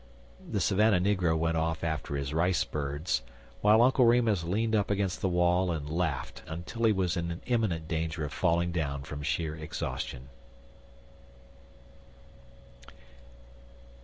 The Savannah negro went off after his rice birds, while Uncle Remus leaned up against the wall and laughed until he was in imminent danger of falling down from sheer exhaustion.